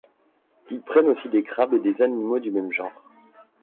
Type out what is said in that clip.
Ils prennent aussi des crabes et des animaux du même genre.